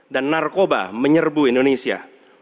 dan narkoba menyerbu indonesia